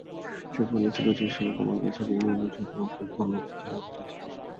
সে বলেছিলো যে সে তোমার কাছে ঋণী, এবং সে তোমাকে ধন্যবাদ জানাতে চেয়েছিলো।